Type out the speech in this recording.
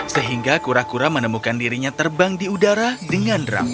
sehingga kura kura menemukan dirinya terbang di udara dengan drama